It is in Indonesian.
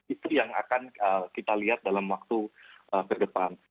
itu yang akan kita lihat dalam waktu ke depan